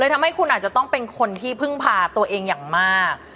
ทำให้คุณอาจจะต้องเป็นคนที่พึ่งพาตัวเองอย่างมาก